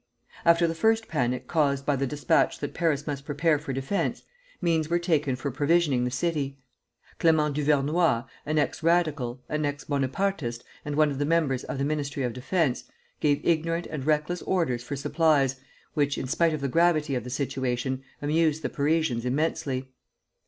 After the first panic caused by the despatch that Paris must prepare for defence, means were taken for provisioning the city. Clément Duvernois, an ex radical, an ex Bonapartist, and one of the members of the Ministry of Defence, gave ignorant and reckless orders for supplies, which, in spite of the gravity of the situation, amused the Parisians immensely.